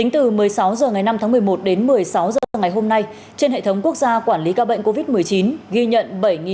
tháng một mươi một đến một mươi sáu giờ ngày hôm nay trên hệ thống quốc gia quản lý ca bệnh covid một mươi chín ghi nhận bảy bốn trăm chín mươi một